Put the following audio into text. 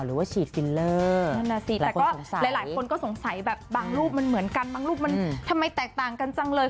หรือว่าฉีดฟิลเลอร์นั่นน่ะสิแต่ก็หลายคนก็สงสัยแบบบางรูปมันเหมือนกันบางรูปมันทำไมแตกต่างกันจังเลย